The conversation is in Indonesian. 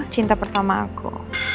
cinta pertama aku